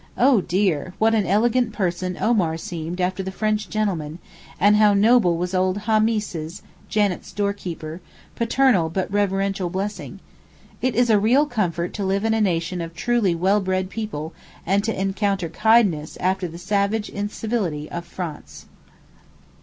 Oh dear! what an elegant person Omar seemed after the French 'gentleman,' and how noble was old Hamees's (Janet's doorkeeper) paternal but reverential blessing! It is a real comfort to live in a nation of truly well bred people and to encounter kindness after the savage incivility of France.